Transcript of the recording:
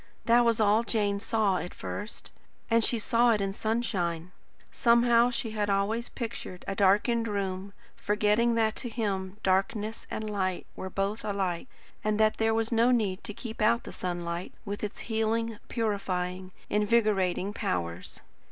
That was all Jane saw at first, and she saw it in sunshine. Somehow she had always pictured a darkened room, forgetting that to him darkness and light were both alike, and that there was no need to keep out the sunlight, with its healing, purifying, invigorating powers.